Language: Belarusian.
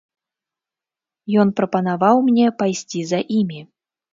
Ён прапанаваў мне пайсці за імі.